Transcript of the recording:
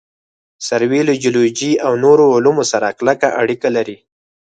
سروې له جیولوجي او نورو علومو سره کلکه اړیکه لري